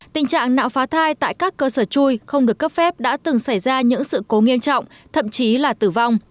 tình trạng nạo phá thai tại các cơ sở chui không được cấp phép đã từng xảy ra những sự cố nghiêm trọng thậm chí là tử vong